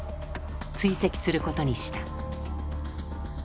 追跡することにした。